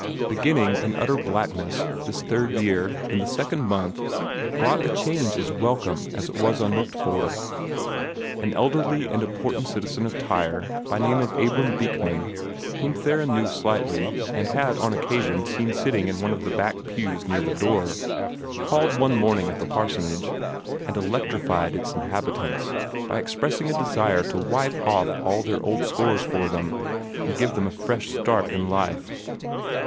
Beginning in utter blackness, this third year, in the second month, brought a change as welcome as it was unlooked for. An elderly and important citizen of Tyre, by name Abram Beekman, whom Theron knew slightly, and had on occasions seen sitting in one of the back pews near the door, called one morning at the parsonage, and electrified its inhabitants by expressing a desire to wipe off all their old scores for them, and give them a fresh start in life.